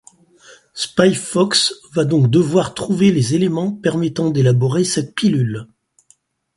Spy Fox va donc devoir trouver les éléments permettant d'élaborer cette pilule.